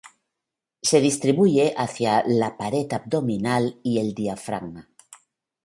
Se distribuye hacia la "pared abdominal" y el diafragma.